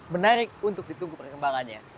menarik untuk ditunggu perkembangannya